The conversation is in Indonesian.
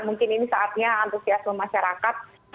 mungkin ini saatnya antusiasme masyarakat